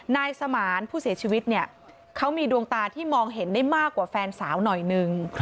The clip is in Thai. นายสมานผู้เสียชีวิตเนี่ยเขามีดวงตาที่มองเห็นได้มากกว่าแฟนสาวหน่อยนึง